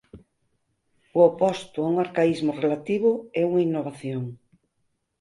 O oposto a un arcaísmo relativo é unha innovación.